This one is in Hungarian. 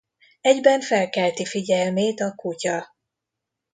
Egyben felkelti figyelmét a kutya.